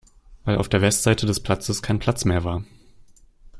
Weil auf der Westseite des Platzes kein Platz mehr war.